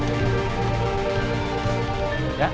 apa ada kaitannya dengan hilangnya sena